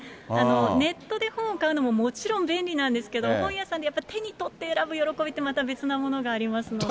ネットで本を買うのももちろん便利なんですけど、本屋さんでやっぱり、手に取って選ぶ喜びって、また別なものがありますのでね。